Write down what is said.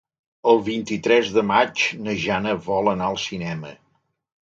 El vint-i-tres de maig na Jana vol anar al cinema.